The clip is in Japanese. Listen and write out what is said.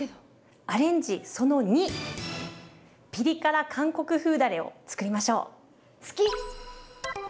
アレンジその２ピリ辛韓国風だれをつくりましょう。